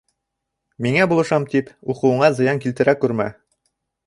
Миңә булышам тип, уҡыуыңа зыян килтерә күрмә.